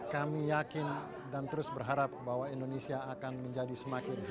kami yakin dan terus berharap bahwa indonesia akan menjadi semakin baik